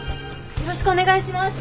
よろしくお願いします。